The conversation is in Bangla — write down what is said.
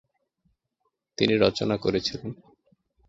তিনি রচনা করেছিলেন।